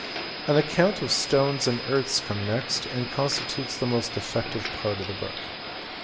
An account of stones and earths comes next, and constitutes the most defective part of the book.